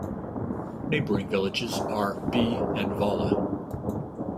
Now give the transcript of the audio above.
Neighbouring villages are Bie and Valla.